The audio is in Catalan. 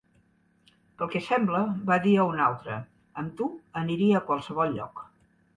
Pel que sembla, va dir a un altre: "Amb tu, aniria a qualsevol lloc".